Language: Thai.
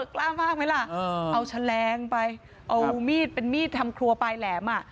กล้ามากไหมล่ะเอาแฉลงไปเอามีดเป็นมีดทำครัวปลายแหลมอ่ะ